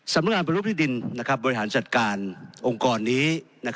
สำนักงานปฏิรูปที่ดินบริหารจัดการองค์กรนี้